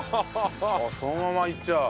そのままいっちゃう。